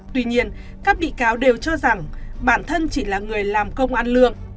tuy nhiên các bị cáo đều cho rằng bản thân chỉ là người làm công ăn lượng